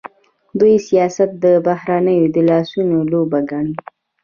دوی سیاست د بهرنیو د لاسونو لوبه ګڼي.